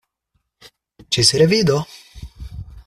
Ĝis revido!